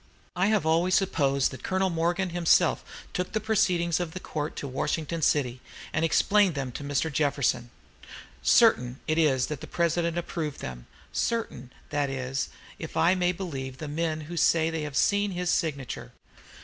I have always supposed that Colonel Morgan himself took the proceedings of the court to Washington city, and explained them to Mr. Jefferson. Certain it is that the President approved them, certain, that is, if I may believe the men who say they have seen his signature.